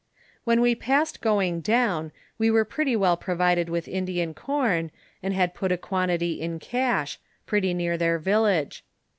When we passed going down, we were pretty well pro vided with Indian corn, and had put a quantity in cache, pretty near their village.